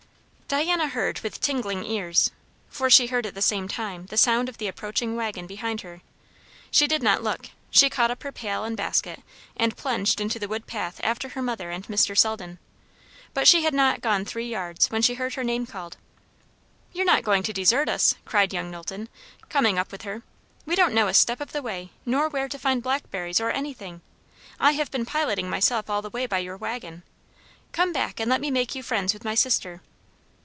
Diana heard with tingling ears, for she heard at the same time the sound of the approaching waggon behind her. She did not look; she caught up her pail and basket and plunged into the wood path after her mother and Mr. Selden; but she had not gone three yards when she heard her name called. "You are not going to desert us?" cried young Knowlton, coming up with her. "We don't know a step of the way, nor where to find blackberries or anything. I have been piloting myself all the way by your waggon. Come back and let me make you friends with my sister."